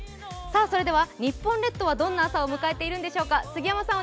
それでは日本列島はどんな朝を迎えているんでしょうか。